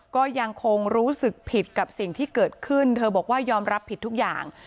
ก็ยังคงรู้สึกผิดกับสิ่งที่เกิดขึ้นเธอบอกว่ายอมรับผิดทุกอย่าง